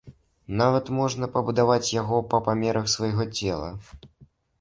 Нават можна пабудаваць яго па памерах свайго цела.